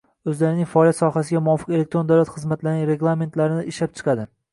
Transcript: o‘zlarining faoliyat sohasiga muvofiq elektron davlat xizmatlarining reglamentlarini ishlab chiqadi